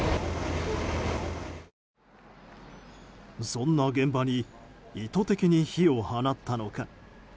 そんな現場に意図的に火を放ったのか。